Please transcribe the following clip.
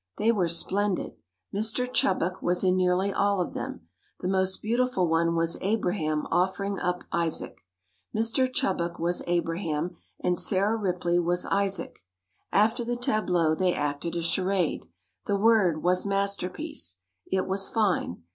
They were splendid. Mr. Chubbuck was in nearly all of them. The most beautiful one was Abraham offering up Isaac. Mr. Chubbuck was Abraham and Sarah Ripley was Isaac. After the tableaux they acted a charade. The word was "Masterpiece." It was fine.